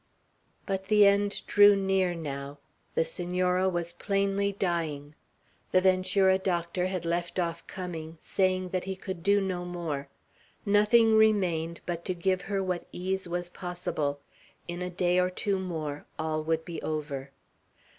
But the end drew near, now. The Senora was plainly dying. The Ventura doctor had left off coming, saying that he could do no more; nothing remained but to give her what ease was possible; in a day or two more all would be over.